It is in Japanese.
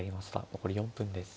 残り４分です。